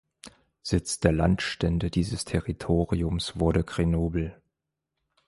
Sitz der Landstände dieses Territoriums wurde Grenoble.